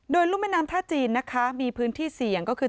โดยรุ่มแม่น้ำท่าจีนนะคะมีพื้นที่เสี่ยงก็คือ